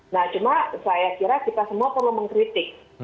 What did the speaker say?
nah cuma saya kira kita semua perlu mengkritik